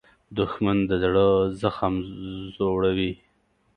دښمن د زړه زخم زوړوي